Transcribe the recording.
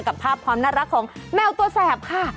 กับภาพพร้อมน่ารักของแมวตัวแสบค่ะ